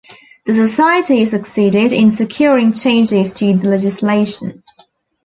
The Society succeeded in securing changes to the legislation.